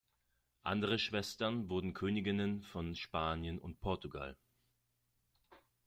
Andere Schwestern wurden Königinnen von Spanien und Portugal.